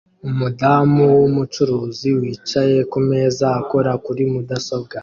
Umudamu wumucuruzi wicaye kumeza akora kuri mudasobwa